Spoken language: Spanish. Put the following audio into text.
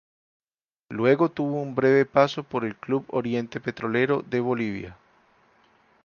Luego tuvo un breve paso por el club Oriente Petrolero, de Bolivia.